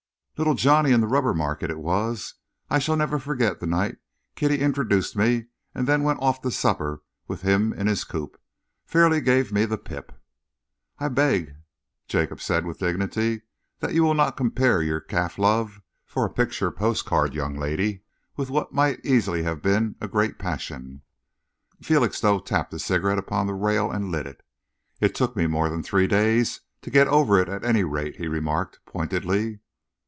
Little Johnny in the rubber market it was. I shall never forget the night Kitty introduced me and then went off to supper with him in his coupé. Fairly gave me the pip." "I beg," Jacob said with dignity, "that you will not compare your calf love for a picture postcard young lady with what might easily have been a great passion." Felixstowe tapped a cigarette upon the rail and lit it. "It took me more than three days to get over it, at any rate," he remarked pointedly.